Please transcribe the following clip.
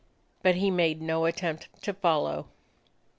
But he made no attempt to follow.